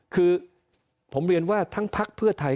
คือผมเรียนว่าทั้งพักเพื่อไทย